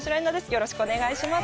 よろしくお願いします。